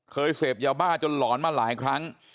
เสพยาบ้าจนหลอนมาหลายครั้ง